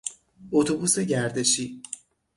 اتوبوس گردشی